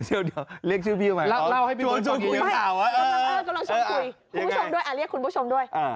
เดี๋ยวเรียกชื่อพี่ให้พูดใหม่เรียกคุณผู้ชมด้วย